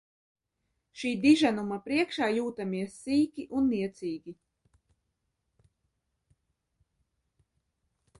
Šī diženuma priekšā jūtamies sīki un niecīgi.